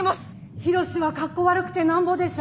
ヒロシはかっこ悪くてなんぼでしょ。